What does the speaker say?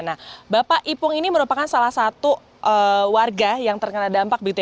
nah bapak ipung ini merupakan salah satu warga yang terkena dalam perusahaan ini